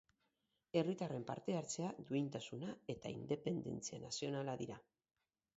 Herritarren parte-hartzea duintasuna eta independentzia nazionala dira.